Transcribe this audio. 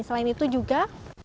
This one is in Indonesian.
selain itu juga